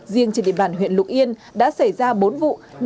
riêng trên địa bàn huyện lục yên đã xảy ra bốn vụ